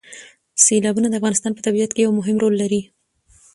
سیلابونه د افغانستان په طبیعت کې یو مهم رول لري.